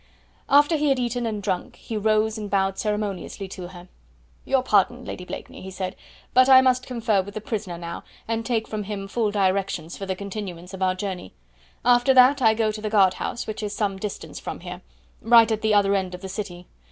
After he had eaten and drunk he rose and bowed ceremoniously to her. "Your pardon, Lady Blakeney," he said, "but I must confer with the prisoner now, and take from him full directions for the continuance of our journey. After that I go to the guard house, which is some distance from here, right at the other end of the city.